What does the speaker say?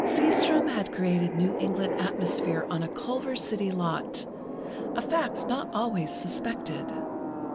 Seastrom had created New England atmosphere on a Culver City lot, a fact not always suspected.